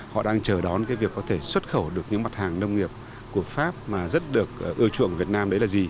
họ đang chờ đón cái việc có thể xuất khẩu được những mặt hàng nông nghiệp của pháp mà rất được ưa chuộng việt nam đấy là gì